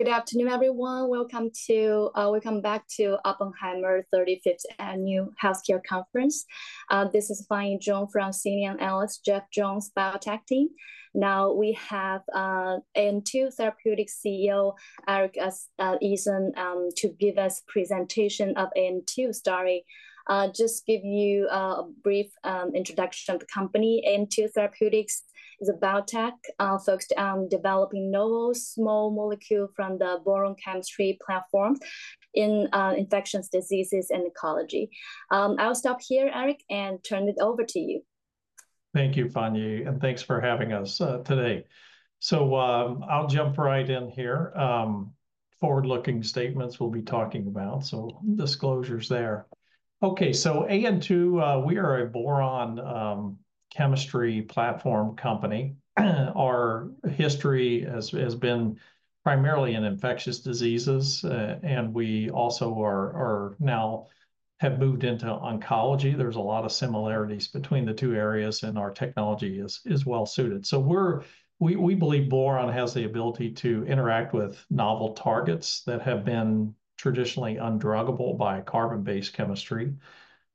Good afternoon, everyone. Welcome back to Oppenheimer 35th Annual Healthcare Conference. This is Fanyi, [Joan Francini], and [Alex] Jeff Jones' biotech team. Now, we have AN2 Therapeutics CEO, Eric Easom, to give us a presentation of AN2. Just give you a brief introduction of the company. AN2 Therapeutics is a biotech focused on developing novel small molecules from the boron chemistry platform in infections, diseases, and oncology. I'll stop here, Eric, and turn it over to you. Thank you, Fanyi, and thanks for having us today. I'll jump right in here. Forward-looking statements we'll be talking about, so disclosures there. AN2, we are a boron chemistry platform company. Our history has been primarily in infectious diseases, and we also now have moved into oncology. There's a lot of similarities between the two areas, and our technology is well-suited. We believe boron has the ability to interact with novel targets that have been traditionally undruggable by carbon-based chemistry.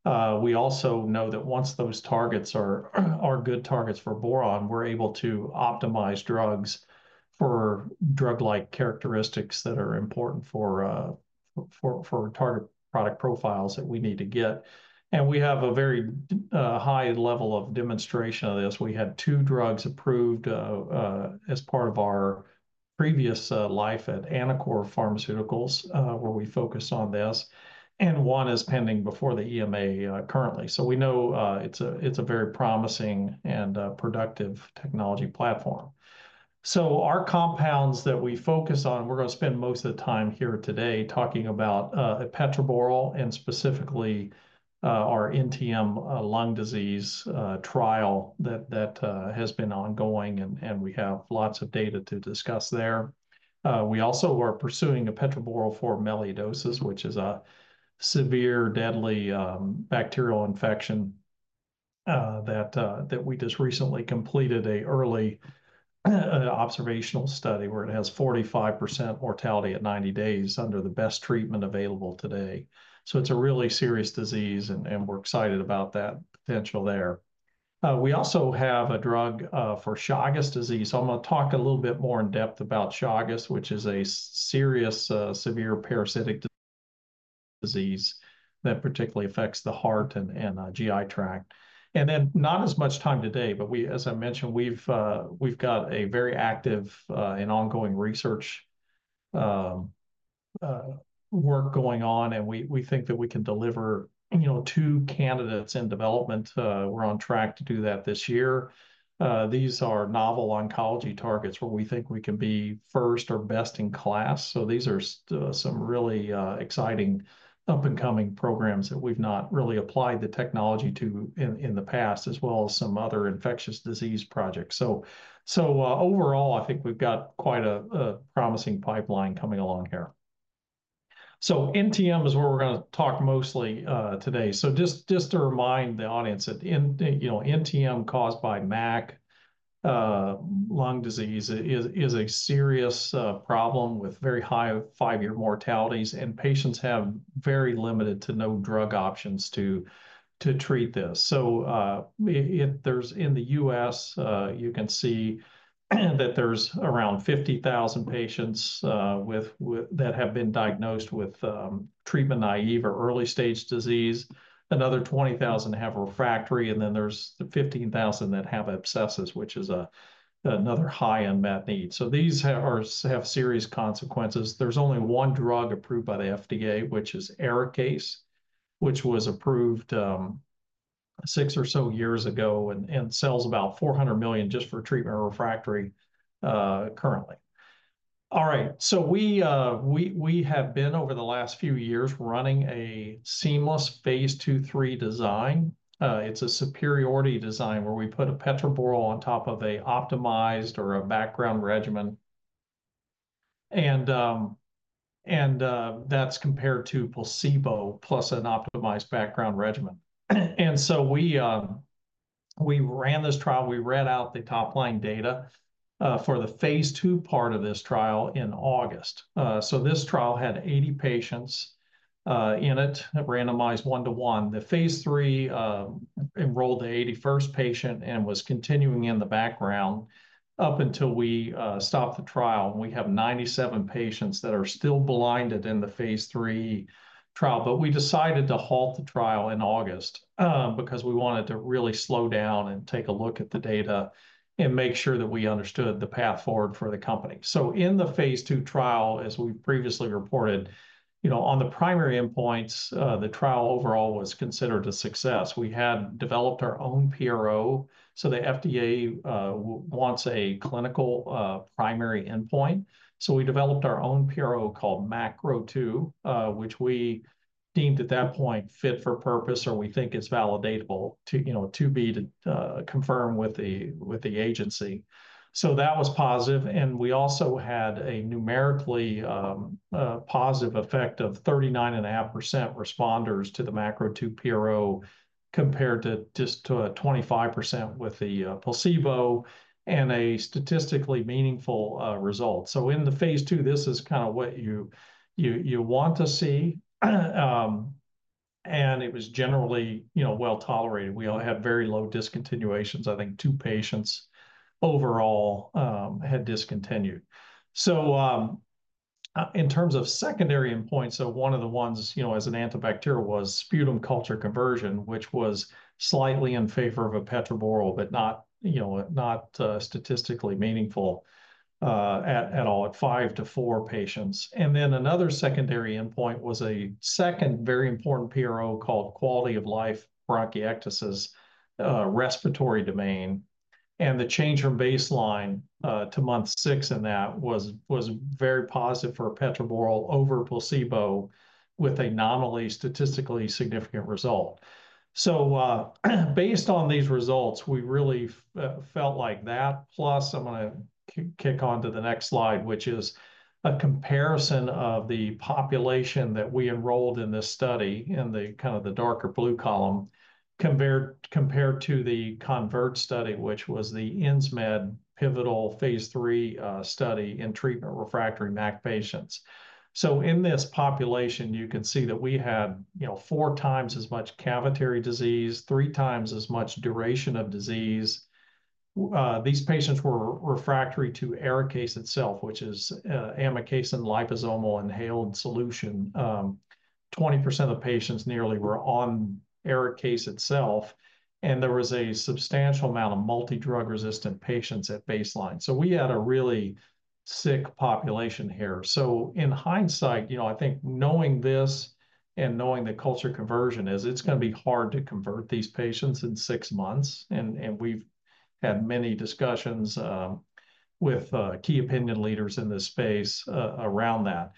We also know that once those targets are good targets for boron, we're able to optimize drugs for drug-like characteristics that are important for target product profiles that we need to get. We have a very high level of demonstration of this. We had two drugs approved as part of our previous life at Anacor Pharmaceuticals, where we focused on this, and one is pending before the EMA currently. We know it's a very promising and productive technology platform. Our compounds that we focus on, we're going to spend most of the time here today talking about epetraborole, and specifically our NTM lung disease trial that has been ongoing, and we have lots of data to discuss there. We also are pursuing epetraborole for melioidosis, which is a severe, deadly bacterial infection that we just recently completed an early observational study where it has 45% mortality at 90 days under the best treatment available today. It is a really serious disease, and we're excited about that potential there. We also have a drug for Chagas disease. I'm going to talk a little bit more in depth about Chagas, which is a serious, severe parasitic disease that particularly affects the heart and GI tract. Not as much time today, but as I mentioned, we've got a very active and ongoing research work going on, and we think that we can deliver two candidates in development. We're on track to do that this year. These are novel oncology targets where we think we can be first or best in class. These are some really exciting, up-and-coming programs that we've not really applied the technology to in the past, as well as some other infectious disease projects. Overall, I think we've got quite a promising pipeline coming along here. NTM is where we're going to talk mostly today. Just to remind the audience, NTM caused by MAC lung disease is a serious problem with very high five-year mortalities, and patients have very limited to no drug options to treat this. In the U.S., you can see that there's around 50,000 patients that have been diagnosed with treatment naïve or early-stage disease. Another 20,000 have refractory, and then there's the 15,000 that have abscesses, which is another high unmet need. These have serious consequences. There's only one drug approved by the FDA, which is ARIKAYCE, which was approved six or so years ago and sells about $400 million just for treatment refractory currently. All right, we have been over the last few years running a seamless Phase II-3 design. It's a superiority design where we put epetraborole on top of an optimized or a background regimen, and that's compared to placebo plus an optimized background regimen. We ran this trial. We read out the top-line data for the Phase II part of this trial in August. This trial had 80 patients in it, randomized one-to-one. The Phase III enrolled the 81st patient and was continuing in the background up until we stopped the trial. We have 97 patients that are still blinded in the Phase III trial, but we decided to halt the trial in August because we wanted to really slow down and take a look at the data and make sure that we understood the path forward for the company. In the Phase II trial, as we've previously reported, on the primary endpoints, the trial overall was considered a success. We had developed our own PRO. The FDA wants a clinical primary endpoint. We developed our own PRO called MACrO2, which we deemed at that point fit for purpose or we think is validatable to be confirmed with the agency. That was positive. We also had a numerically positive effect of 39.5% responders to the MACrO2 PRO compared to just 25% with the placebo and a statistically meaningful result. In the Phase II, this is kind of what you want to see. It was generally well tolerated. We all had very low discontinuations. I think two patients overall had discontinued. In terms of secondary endpoints, one of the ones as an antibacterial was sputum culture conversion, which was slightly in favor of epetraborole, but not statistically meaningful at all at five to four patients. Another secondary endpoint was a second very important PRO called quality of life bronchiectasis, respiratory domain. The change from baseline to month six in that was very positive for epetraborole over placebo with a nominally statistically significant result. Based on these results, we really felt like that. Plus, I'm going to kick on to the next slide, which is a comparison of the population that we enrolled in this study in the kind of the darker blue column compared to the CONVERT study, which was the Insmed pivotal Phase III study in treatment refractory MAC patients. In this population, you can see that we had four times as much cavitary disease, three times as much duration of disease. These patients were refractory to ARIKAYCE itself, which is amikacin liposomal inhaled solution. 20% of the patients nearly were on ARIKAYCE itself, and there was a substantial amount of multi-drug resistant patients at baseline. We had a really sick population here. In hindsight, I think knowing this and knowing the culture conversion, it is going to be hard to convert these patients in six months. We have had many discussions with key opinion leaders in this space around that.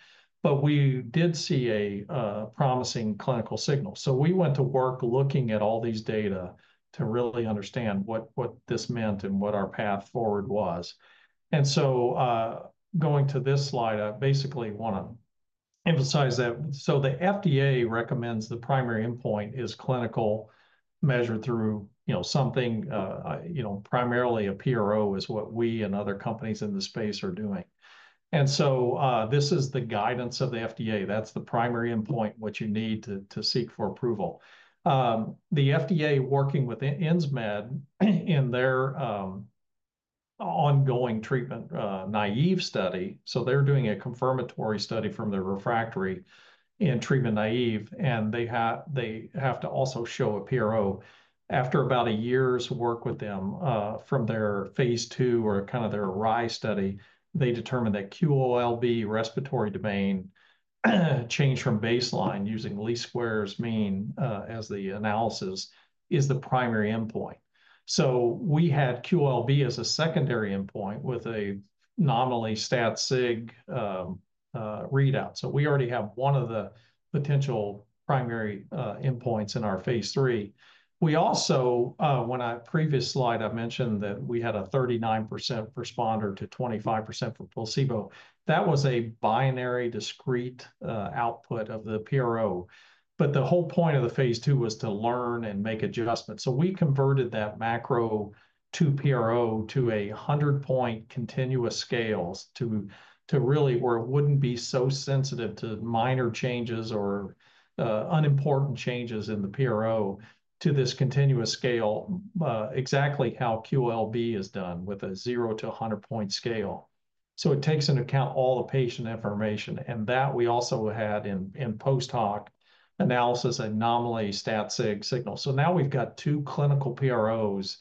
We did see a promising clinical signal. We went to work looking at all these data to really understand what this meant and what our path forward was. Going to this slide, I basically want to emphasize that. The FDA recommends the primary endpoint is clinical, measured through something primarily a PRO is what we and other companies in the space are doing. This is the guidance of the FDA. That's the primary endpoint, what you need to seek for approval. The FDA working with Insmed in their ongoing treatment naive study. They're doing a confirmatory study from the refractory in treatment naive, and they have to also show a PRO. After about a year's work with them from their Phase II or kind of their ARISE study, they determined that QOL-B respiratory domain change from baseline using least squares mean as the analysis is the primary endpoint. We had QOL-B as a secondary endpoint with a nominally stat SIG readout. We already have one of the potential primary endpoints in our Phase III. Also, on a previous slide, I mentioned that we had a 39% responder to 25% for placebo. That was a binary discrete output of the PRO. The whole point of the Phase II was to learn and make adjustments. We converted that MACrO2 PRO to a 100-point continuous scale to really where it would not be so sensitive to minor changes or unimportant changes in the PRO to this continuous scale, exactly how QOL-B is done with a 0 to 100-point scale. It takes into account all the patient information, and that we also had in post-hoc analysis a nominally stat SIG signal. Now we have two clinical PROs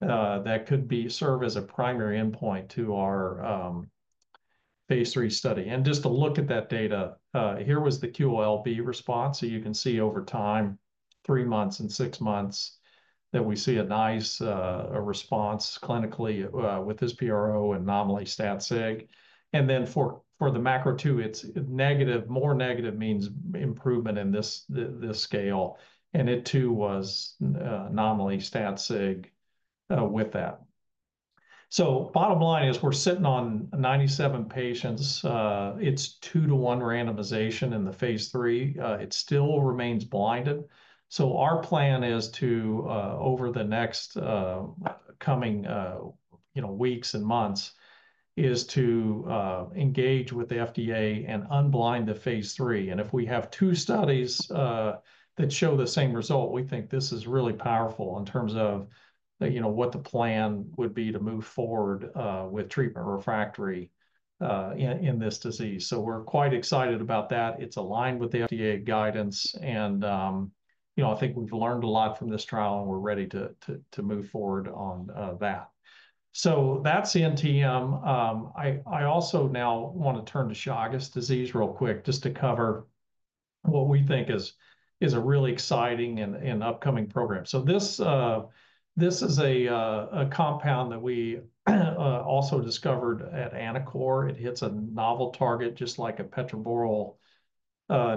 that could serve as a primary endpoint to our Phase III study. Just to look at that data, here was the QOL-B response. You can see over time, three months and six months, that we see a nice response clinically with this PRO and nominally stat SIG. For the MACrO2, more negative means improvement in this scale. It too was nominally stat SIG with that. Bottom line is we're sitting on 97 patients. It's two-to-one randomization in the Phase III. It still remains blinded. Our plan is to, over the next coming weeks and months, engage with the FDA and unblind the Phase III. If we have two studies that show the same result, we think this is really powerful in terms of what the plan would be to move forward with treatment refractory in this disease. We're quite excited about that. It's aligned with the FDA guidance, and I think we've learned a lot from this trial, and we're ready to move forward on that. That's the NTM. I also now want to turn to Chagas disease real quick just to cover what we think is a really exciting and upcoming program. This is a compound that we also discovered at Anacor. It hits a novel target just like epetraborole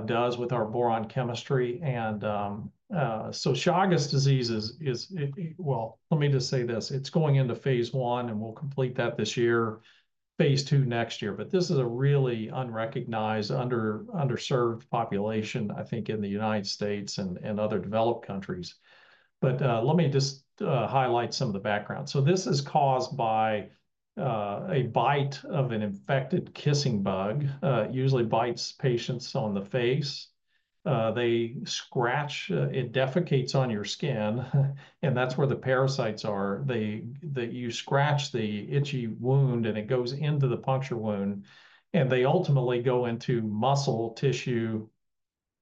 does with our boron chemistry. Chagas disease is, well, let me just say this. It's going into Phase I, and we'll complete that this year, Phase II next year. This is a really unrecognized, underserved population, I think, in the United States and other developed countries. Let me just highlight some of the background. This is caused by a bite of an infected kissing bug. It usually bites patients on the face. They scratch. It defecates on your skin, and that's where the parasites are. You scratch the itchy wound, and it goes into the puncture wound, and they ultimately go into muscle tissue.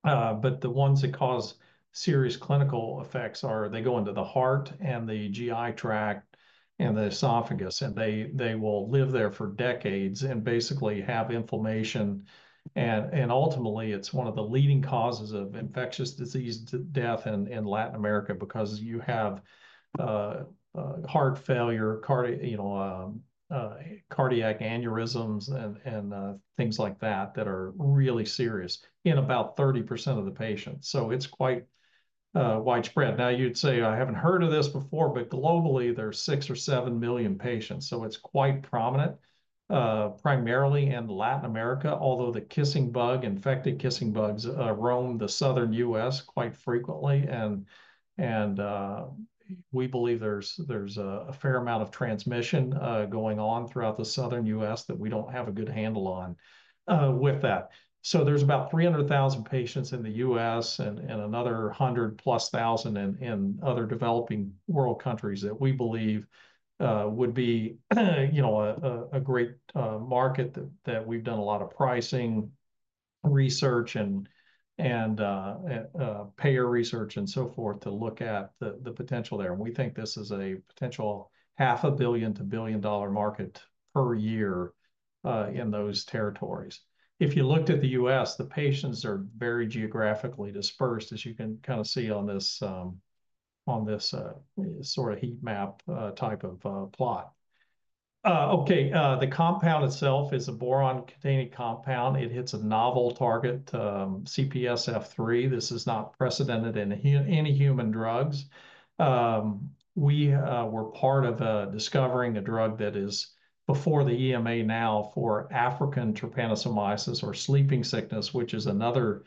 The ones that cause serious clinical effects are they go into the heart and the GI tract and the esophagus, and they will live there for decades and basically have inflammation. Ultimately, it's one of the leading causes of infectious disease death in Latin America because you have heart failure, cardiac aneurysms, and things like that that are really serious in about 30% of the patients. It's quite widespread. Now, you'd say, "I haven't heard of this before," but globally, there are six or seven million patients. It's quite prominent, primarily in Latin America, although the kissing bug, infected kissing bugs, roam the southern US quite frequently. We believe there's a fair amount of transmission going on throughout the southern US that we don't have a good handle on with that. There's about 300,000 patients in the US and another 100-plus thousand in other developing world countries that we believe would be a great market that we've done a lot of pricing research and payer research and so forth to look at the potential there. We think this is a potential $500 million-$1 billion market per year in those territories. If you looked at the US, the patients are very geographically dispersed, as you can kind of see on this sort of heat map type of plot. The compound itself is a boron-containing compound. It hits a novel target, CPSF3. This is not precedented in any human drugs. We were part of discovering a drug that is before the EMA now for African trypanosomiasis or sleeping sickness, which is another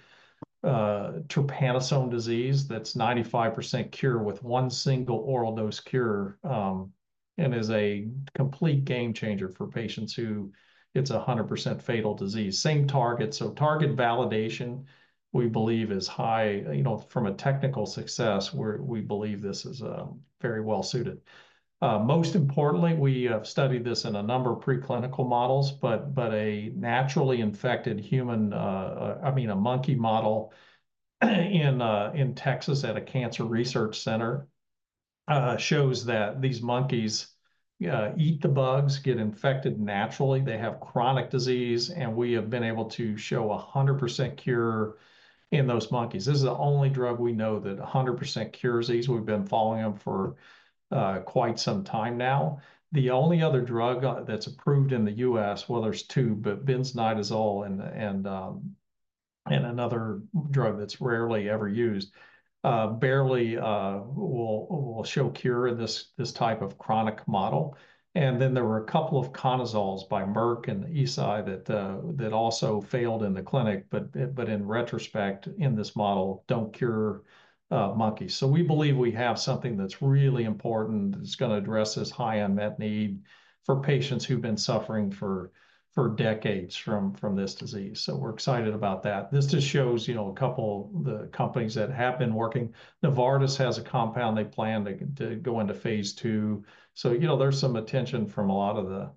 trypanosome disease that's 95% cure with one single oral dose cure and is a complete game changer for patients who it's a 100% fatal disease. Same target. Target validation, we believe, is high from a technical success where we believe this is very well suited. Most importantly, we have studied this in a number of preclinical models, but a naturally infected human, I mean, a monkey model in Texas at a cancer research center shows that these monkeys eat the bugs, get infected naturally. They have chronic disease, and we have been able to show 100% cure in those monkeys. This is the only drug we know that 100% cures these. We've been following them for quite some time now. The only other drug that's approved in the U.S., well, there's two, but benznidazole and another drug that's rarely ever used barely will show cure in this type of chronic model. There were a couple of conazoles by Merck and Eisai that also failed in the clinic, but in retrospect, in this model, don't cure monkeys. We believe we have something that's really important that's going to address this high unmet need for patients who've been suffering for decades from this disease. We're excited about that. This just shows a couple of the companies that have been working. Novartis has a compound they plan to go into Phase II. There's some attention from a lot of the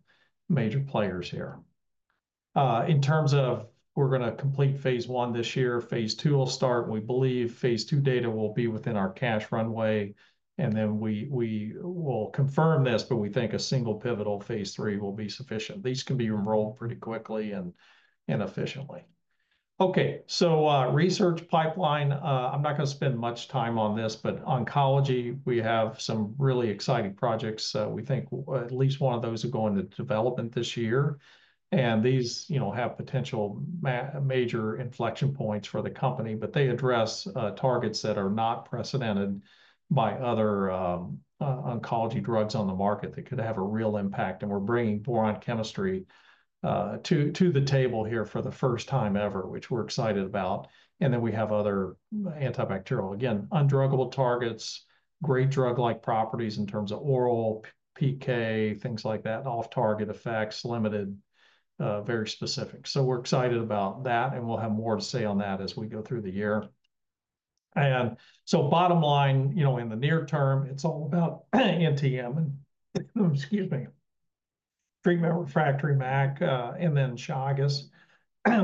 major players here. In terms of we're going to complete Phase I this year, Phase II will start. We believe Phase II data will be within our cash runway. We will confirm this, but we think a single pivotal Phase III will be sufficient. These can be enrolled pretty quickly and efficiently. Research pipeline, I'm not going to spend much time on this, but oncology, we have some really exciting projects. We think at least one of those are going to development this year. These have potential major inflection points for the company, but they address targets that are not precedented by other oncology drugs on the market that could have a real impact. We're bringing boron chemistry to the table here for the first time ever, which we're excited about. We have other antibacterial, again, undruggable targets, great drug-like properties in terms of oral, PK, things like that, off-target effects, limited, very specific. We're excited about that, and we'll have more to say on that as we go through the year. Bottom line, in the near term, it's all about NTM and, excuse me, treatment refractory MAC and then Chagas.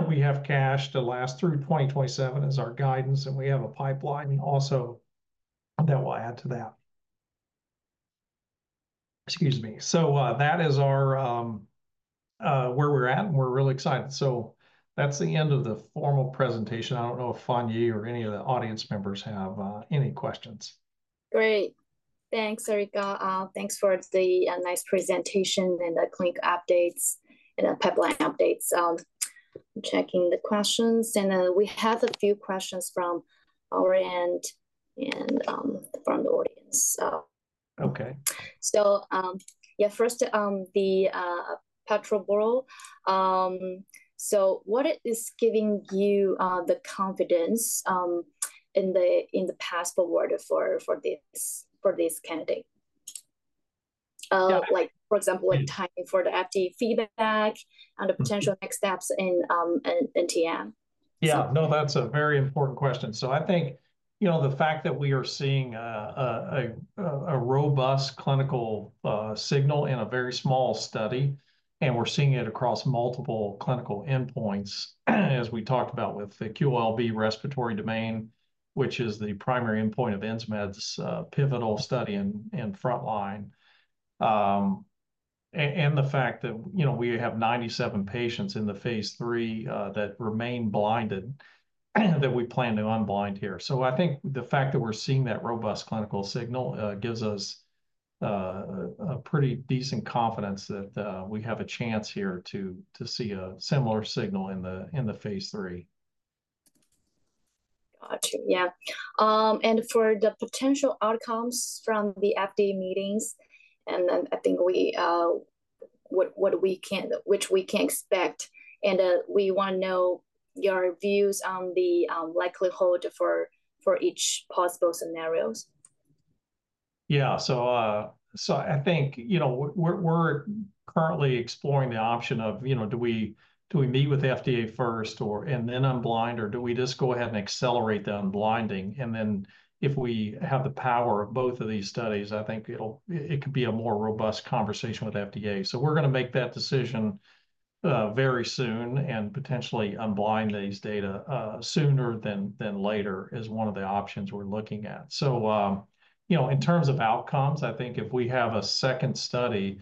We have cash to last through 2027 as our guidance, and we have a pipeline also that we'll add to that. Excuse me. That is where we're at, and we're really excited. That's the end of the formal presentation. I don't know if Fanyi or any of the audience members have any questions. Great. Thanks, Eric. Thanks for the nice presentation and the clinic updates and the pipeline updates. I'm checking the questions, and then we have a few questions from our end and from the audience. First, the epetraborole. What is giving you the confidence in the path forward for this candidate? For example, time for the FDA feedback and the potential next steps in NTM. Yeah. No, that's a very important question. I think the fact that we are seeing a robust clinical signal in a very small study, and we're seeing it across multiple clinical endpoints, as we talked about with the QOL-B respiratory domain, which is the primary endpoint of Insmed's pivotal study and frontline, and the fact that we have 97 patients in the Phase III that remain blinded that we plan to unblind here. I think the fact that we're seeing that robust clinical signal gives us a pretty decent confidence that we have a chance here to see a similar signal in the Phase III. Gotcha. Yeah. For the potential outcomes from the FDA meetings, I think what we can expect, and we want to know your views on the likelihood for each possible scenarios. Yeah. I think we're currently exploring the option of, do we meet with FDA first and then unblind, or do we just go ahead and accelerate the unblinding? If we have the power of both of these studies, I think it could be a more robust conversation with FDA. We're going to make that decision very soon and potentially unblind these data sooner than later is one of the options we're looking at. In terms of outcomes, I think if we have a second study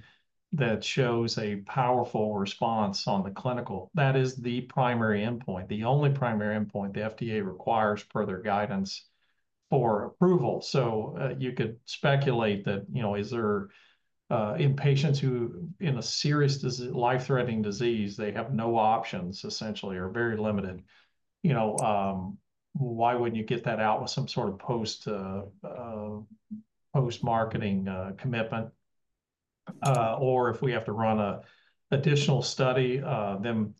that shows a powerful response on the clinical, that is the primary endpoint, the only primary endpoint the FDA requires per their guidance for approval. You could speculate that, is there in patients who in a serious life-threatening disease, they have no options essentially or very limited, why wouldn't you get that out with some sort of post-marketing commitment? If we have to run an additional study, then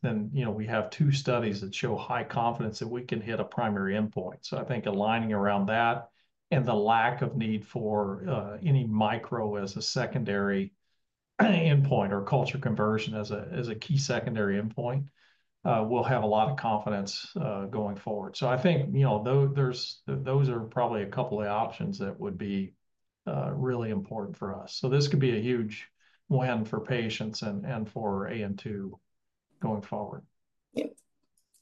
we have two studies that show high confidence that we can hit a primary endpoint. I think aligning around that and the lack of need for any micro as a secondary endpoint or culture conversion as a key secondary endpoint will have a lot of confidence going forward. I think those are probably a couple of options that would be really important for us. This could be a huge win for patients and for AN2 going forward.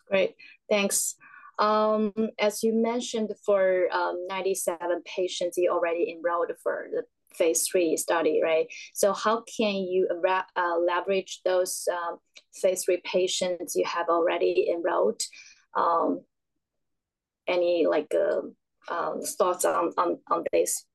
Great. Thanks. As you mentioned, for 97 patients, you already enrolled for the Phase III study, right? How can you leverage those Phase III patients you have already enrolled? Any thoughts on this?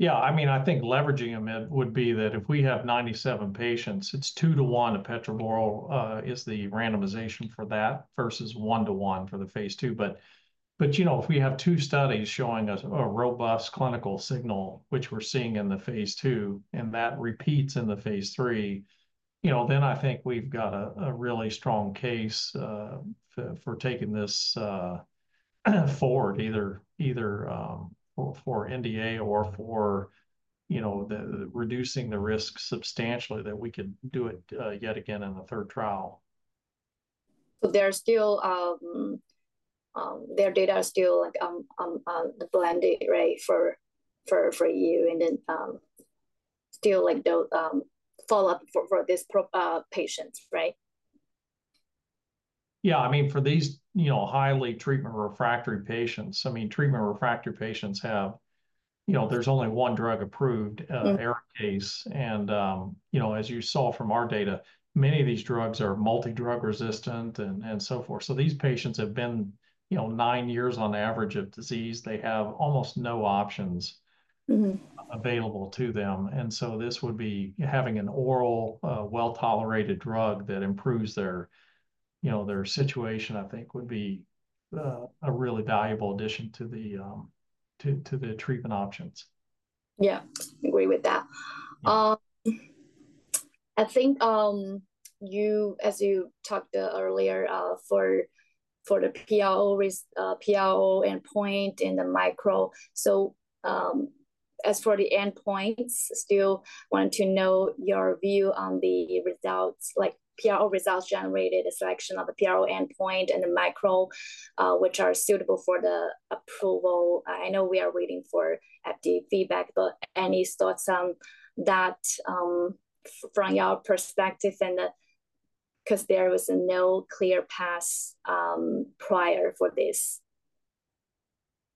Yeah. I mean, I think leveraging them would be that if we have 97 patients, it's two to one epetraborole is the randomization for that versus one to one for the Phase II. If we have two studies showing us a robust clinical signal, which we're seeing in the Phase II, and that repeats in the Phase III, then I think we've got a really strong case for taking this forward either for NDA or for reducing the risk substantially that we could do it yet again in a third trial. Their data are still blended, right, for you and then still follow up for these patients, right? Yeah. I mean, for these highly treatment refractory patients, I mean, treatment refractory patients have there's only one drug approved in their case. As you saw from our data, many of these drugs are multi-drug resistant and so forth. These patients have been nine years on average of disease. They have almost no options available to them. This would be having an oral well-tolerated drug that improves their situation, I think, would be a really valuable addition to the treatment options. Yeah. I agree with that. I think, as you talked earlier, for the PRO endpoint and the micro. As for the endpoints, still wanted to know your view on the results, like PRO results generated, the selection of the PRO endpoint and the micro, which are suitable for the approval. I know we are waiting for FDA feedback, but any thoughts on that from your perspective because there was no clear path prior for this?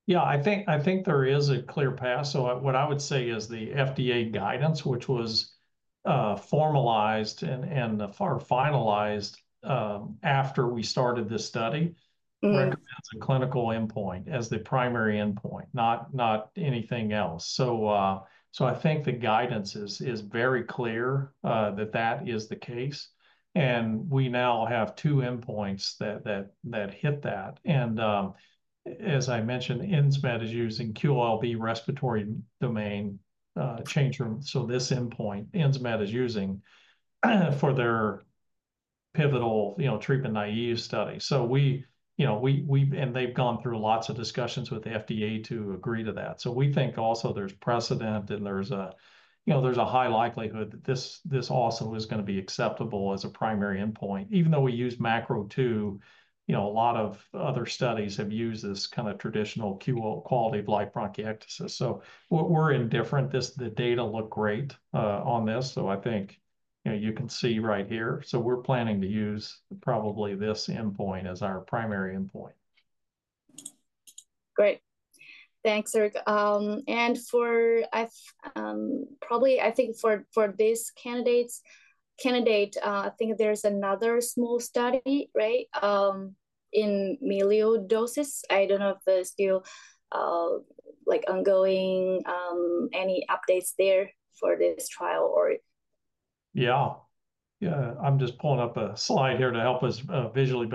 Yeah. I think there is a clear path. What I would say is the FDA guidance, which was formalized and finalized after we started this study, recommends a clinical endpoint as the primary endpoint, not anything else. I think the guidance is very clear that that is the case. We now have two endpoints that hit that. As I mentioned, Insmed is using QOL-B respiratory domain change room. This endpoint, Insmed is using for their pivotal treatment naive study. We and they've gone through lots of discussions with the FDA to agree to that. We think also there's precedent and there's a high likelihood that this also is going to be acceptable as a primary endpoint, even though we use MACrO2. A lot of other studies have used this kind of traditional quality of life bronchiectasis. We're indifferent. The data look great on this. I think you can see right here. We're planning to use probably this endpoint as our primary endpoint. Great. Thanks, Eric. Probably, I think for this candidate, I think there's another small study, right, in melioidosis. I don't know if that's still ongoing, any updates there for this trial or. Yeah. Yeah. I'm just pulling up a slide here to help us visually.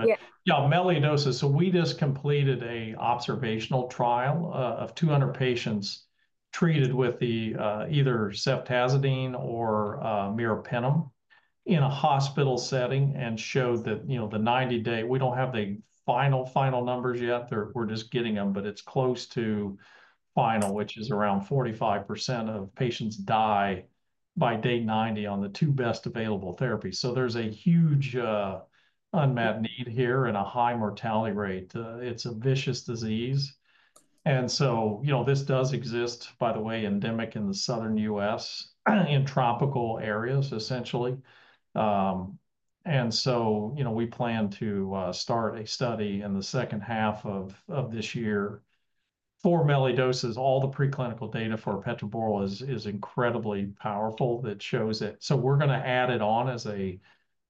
Yeah, melioidosis. We just completed an observational trial of 200 patients treated with either ceftazidime or meropenem in a hospital setting and showed that the 90-day—we don't have the final numbers yet, we're just getting them, but it's close to final—which is around 45% of patients die by day 90 on the two best available therapies. There's a huge unmet need here and a high mortality rate. It's a vicious disease. This does exist, by the way, endemic in the southern U.S. in tropical areas, essentially. We plan to start a study in the second half of this year for melioidosis. All the preclinical data for epetraborole is incredibly powerful that shows it. We're going to add it on as an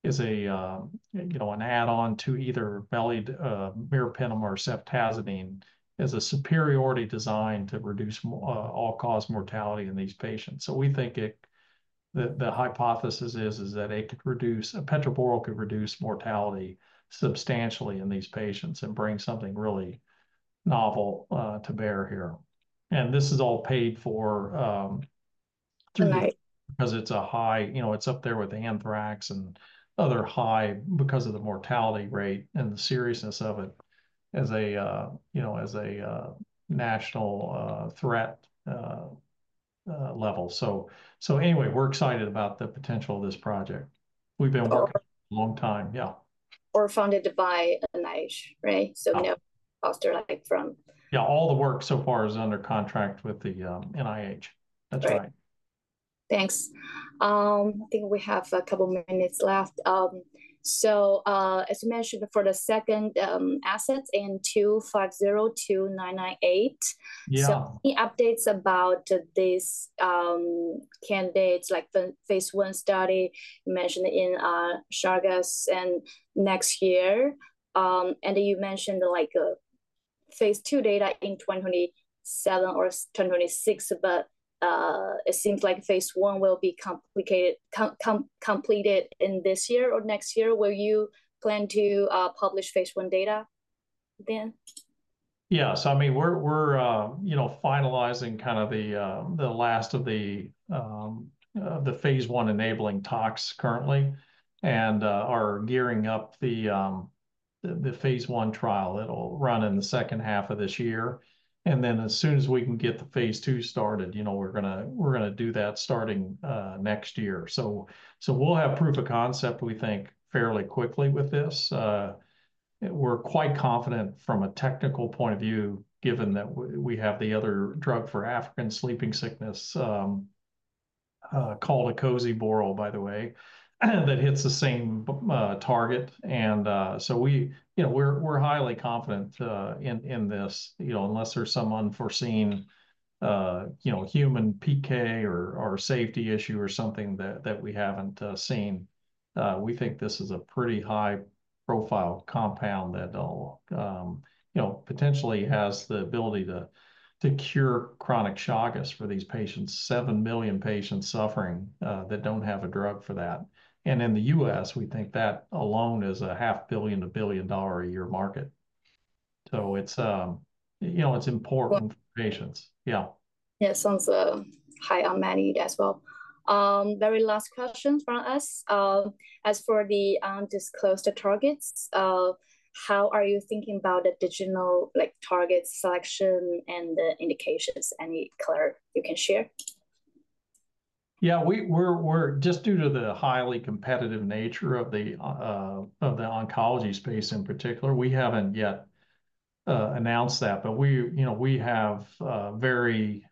add-on to either meropenem or ceftazidime as a superiority design to reduce all-cause mortality in these patients. We think the hypothesis is that epetraborole could reduce mortality substantially in these patients and bring something really novel to bear here. This is all paid for because it's up there with anthrax and other high, because of the mortality rate and the seriousness of it as a national threat level. Anyway, we're excited about the potential of this project. We've been working for a long time. Yeah. Funded by NIH, right? No cost to firm? Yeah. All the work so far is under contract with the NIH. That's right. Thanks. I think we have a couple of minutes left. As you mentioned, for the second asset AN2-502998, any updates about these candidates like Phase I study mentioned in Chagas and next year? You mentioned Phase II data in 2027 or 2026, but it seems like Phase I will be completed in this year or next year. Will you plan to publish Phase I data then? Yeah. I mean, we're finalizing kind of the last of the Phase I enabling talks currently and are gearing up the Phase I trial. It'll run in the second half of this year. As soon as we can get the Phase II started, we're going to do that starting next year. We'll have proof of concept, we think, fairly quickly with this. We're quite confident from a technical point of view, given that we have the other drug for African sleeping sickness called acoziborole, by the way, that hits the same target. We're highly confident in this unless there's some unforeseen human PK or safety issue or something that we haven't seen. We think this is a pretty high-profile compound that potentially has the ability to cure chronic Chagas for these patients, 7 million patients suffering that do not have a drug for that. In the U.S., we think that alone is a $500 million-$1 billion a year market. It is important for patients. Yeah. Yeah. Sounds high on money as well. Very last question from us. As for the disclosed targets, how are you thinking about the additional target selection and the indications? Any clear you can share? Yeah. Just due to the highly competitive nature of the oncology space in particular, we haven't yet announced that. We have very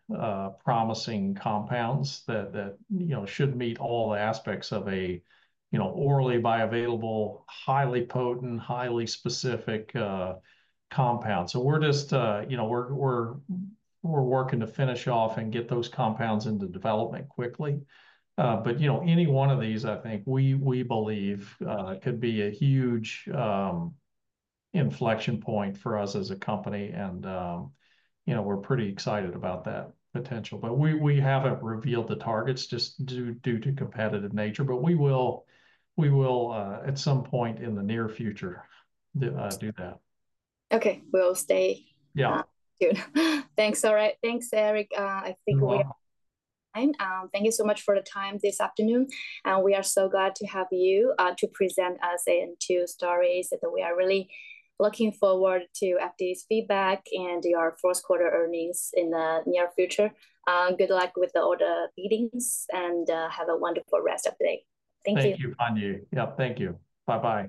promising compounds that should meet all the aspects of an orally bioavailable, highly potent, highly specific compound. We are just working to finish off and get those compounds into development quickly. Any one of these, I think we believe could be a huge inflection point for us as a company. We are pretty excited about that potential. We haven't revealed the targets just due to competitive nature. We will, at some point in the near future, do that. Okay. We'll stay tuned. Thanks. All right. Thanks, Eric. I think we are fine. Thank you so much for the time this afternoon. We are so glad to have you to present us AN2 stories. We are really looking forward to FDA's feedback and your first quarter earnings in the near future. Good luck with all the meetings and have a wonderful rest of the day. Thank you. Thank you, Fanyi. Yep. Thank you. Bye-bye.